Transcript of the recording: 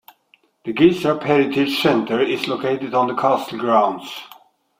The Gilstrap Heritage Centre is located on the castle grounds.